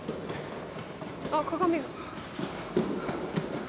あっ鏡が。